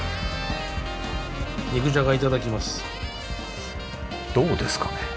肉じゃがいただきますどうですかね？